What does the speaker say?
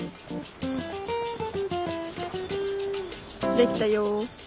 できたよ。